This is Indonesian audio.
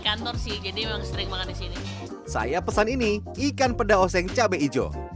kantor sih jadi memang sering banget disini saya pesan ini ikan peda oseng cabe hijau